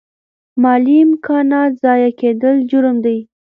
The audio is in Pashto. د مالي امکاناتو ضایع کیدل جرم دی.